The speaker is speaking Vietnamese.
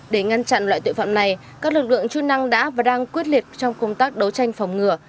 để ngăn chặn loại tội phạm này các lực lượng chung năng đã và đang quyết liệt trong công tác đấu tranh phòng ngừa